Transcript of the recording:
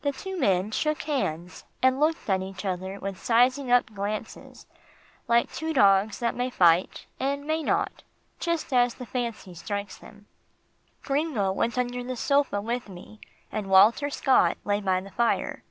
The two men shook hands, and looked at each other with sizing up glances, like two dogs that may fight and may not, just as the fancy strikes them. Gringo went under the sofa with me, and Walter Scott lay by the fire.